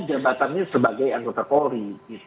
yang dilakukan dengan jembatannya sebagai anggota polri